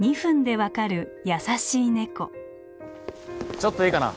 ちょっといいかな？